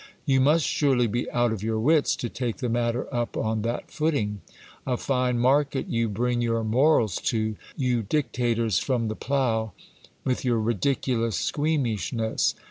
You must surely be out of your wits to take the matter up on that footing. A fine market you bring your morals to, you dic tators from the plough, with your ridiculous squeamishness